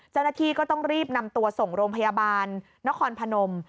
เจ้าหน้าที่ก็ต้องรีบนำตัวส่งโรงพยาบาลนครพนม